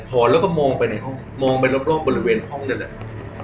แล้วก็มองไปในห้องมองไปรอบบริเวณห้องนั่นแหละ